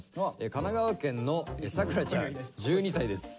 神奈川県の桜ちゃん１２歳です。